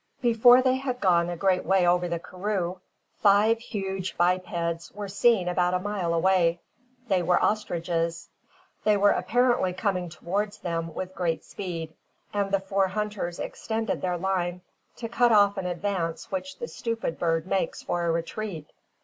Before they had gone a great way over the karroo, five huge bipeds were seen about a mile away. They were ostriches. They were apparently coming towards them with great speed, and the four hunters extended their line to cut off an advance which the stupid bird mistakes for a retreat.